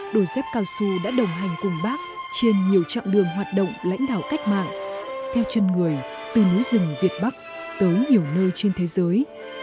đôi dép cao su đã đồng hành cùng bắc trên nhiều trạng đường hoạt động lãnh đạo cách mạng theo chân người từ núi rừng việt bắc tới nhiều nơi